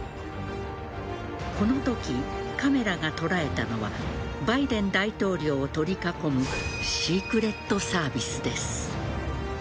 このとき、カメラが捉えたのはバイデン大統領を取り囲むシークレットサービスです。